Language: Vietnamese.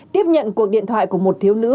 tiếp nhận cuộc điện thoại của một thiếu nữ